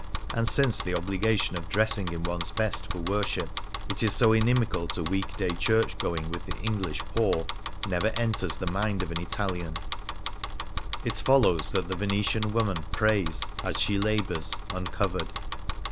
And since the obligation of dressing in one's best for worship, which is so inimical to week day church going with the English poor, never enters the mind of an Italian, it follows that the Venetian woman prays, as she labours, uncovered.